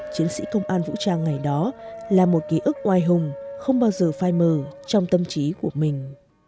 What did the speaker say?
chiến sĩ công an vũ trang ngày đó là một ký ức oai hùng không bao giờ phai mờ trong tâm trí của mình